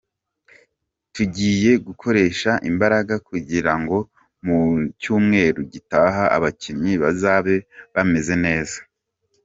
Tugiye gukoresha imbaraga kugira ngo mu cyumweru gitaha abakinnyi bazabe bameze neza.